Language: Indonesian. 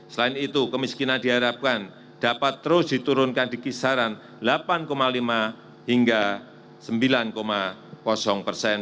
selain itu kemiskinan diharapkan dapat terus diturunkan di kisaran delapan lima hingga sembilan persen